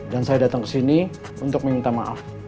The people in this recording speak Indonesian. dan saya datang kesini untuk minta maaf